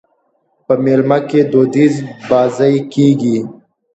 په مېله کښي دودیزي بازۍ کېږي.